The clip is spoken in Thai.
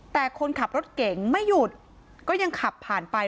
แต่คนขับรถเก่งไม่หยุดก็ยังขับผ่านไป